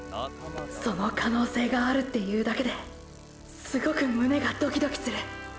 その可能性があるっていうだけですごく胸がドキドキする。